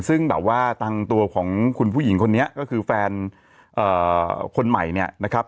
ซึ่งแบบว่าทางตัวของคุณผู้หญิงคนนี้ก็คือแฟนคนใหม่เนี่ยนะครับ